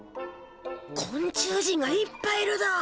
昆虫人がいっぱいいるだ。